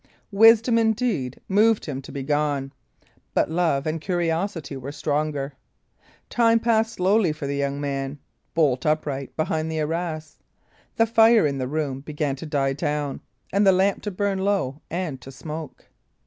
Wisdom, indeed, moved him to be gone; but love and curiosity were stronger. Time passed slowly for the young man, bolt upright behind the arras. The fire in the room began to die down, and the lamp to burn low and to smoke.